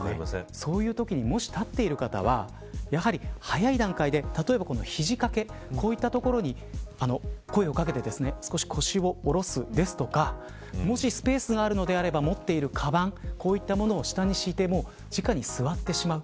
そういうときにもし立っている方はやはり早い段階で例えば肘掛けこういったところに声をかけて少し腰を下ろすとかもしスペースがあるのであれば持っているかばんを下に敷いてじかに座ってしまう。